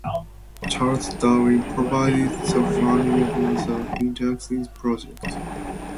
Charles Darwin provided the funding for the indexing project.